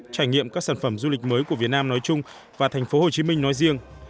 trải nghiệm các sản phẩm du lịch mới của việt nam nói chung và thành phố hồ chí minh nói riêng